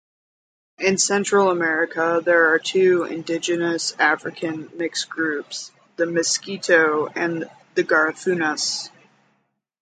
In Central America, there are two indigenous-African mixed groups, the Miskito and the garifunas.